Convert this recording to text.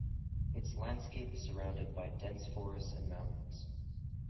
Its landscape is surrounded by dense forests and mountains.